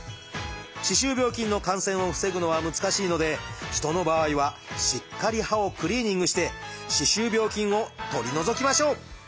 歯周病菌の感染を防ぐのは難しいので人の場合はしっかり歯をクリーニングして歯周病菌を取り除きましょう。